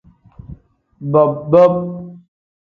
Bob-bob.